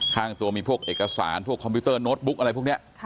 ข้างตัวมีพวกเอกสารพวกคอมพิวเตอร์โน้ตบุ๊กอะไรพวกนี้